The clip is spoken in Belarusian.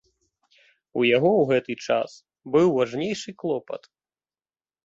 У яго ў гэты час быў важнейшы клопат.